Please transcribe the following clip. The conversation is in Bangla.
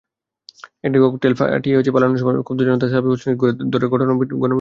একটি ককটেল ফাটিয়ে পালানোর সময় ক্ষুব্ধ জনতা সাবিব হোসেনকে ধরে গণপিটুনি দেয়।